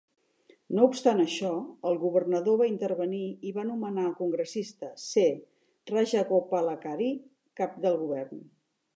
No obstant això, el governador va intervenir i va nomenar el congressista C. Rajagopalachari, cap de govern.